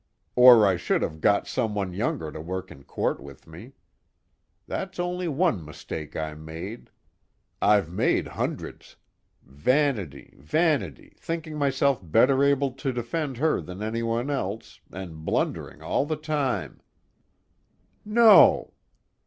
Or I should have got someone younger to work in court with me. That's only one mistake I made. I've made hundreds. Vanity, vanity, thinking myself better able to defend her than anyone else, and blundering all the time " "No."